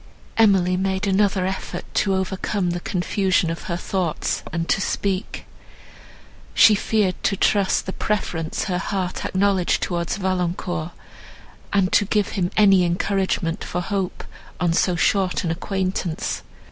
Emily made another effort to overcome the confusion of her thoughts, and to speak. She feared to trust the preference her heart acknowledged towards Valancourt, and to give him any encouragement for hope, on so short an acquaintance.